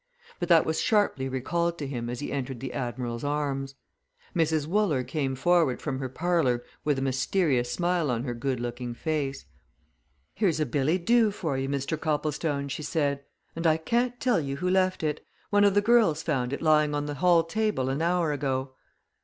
But that was sharply recalled to him as he entered the "Admiral's Arms." Mrs. Wooler came forward from her parlour with a mysterious smile on her good looking face. "Here's a billet doux for you, Mr. Copplestone," she said. "And I can't tell you who left it. One of the girls found it lying on the hall table an hour ago."